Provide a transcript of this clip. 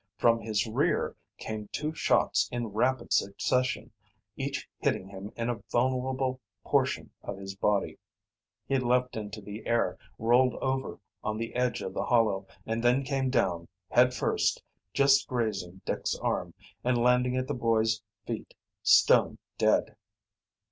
From his rear came two shots in rapid succession, each hitting him in a vulnerable portion of his body. He leaped up into the air, rolled over on the edge of the hollow, and then came down, head first, just grazing Dick's arm, and landing at the boy's feet, stone dead.